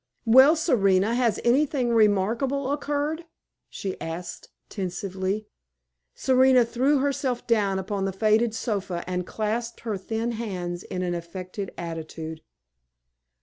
"Well, Serena, has anything remarkable occurred?" she asked tersely. Serena threw herself down upon the faded sofa and clasped her thin hands in an affected attitude.